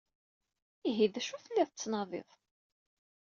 Ihi? D acu i telliḍ tettnadiḍ?